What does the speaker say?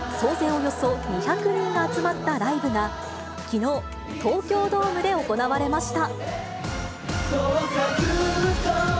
およそ２００人が集まったライブが、きのう、東京ドームで行われました。